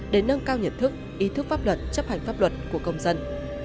để nâng cao nhận thức ý thức pháp luật chấp hành pháp luật của công dân